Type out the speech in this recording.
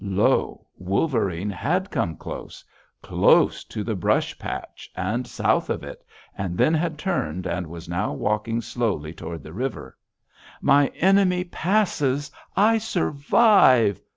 Lo! Wolverine had come close, close to the brush patch, and south of it, and then had turned, and was now walking slowly toward the river! 'My enemy passes! I survive!'